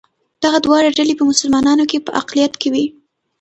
دغه دواړه ډلې په مسلمانانو کې په اقلیت کې وې.